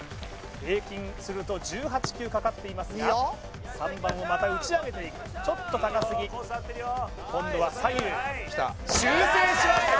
平均すると１８球かかっていますが３番をまた打ち上げていくちょっと高すぎ今度は左右修正しました